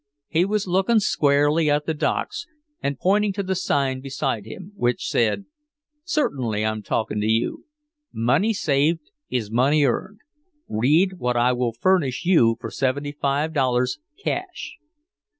He was looking squarely at the docks and pointing to the sign beside him, which said, 'Certainly I'm talking to you! Money saved is money earned. Read what I will furnish you for seventy five dollars cash.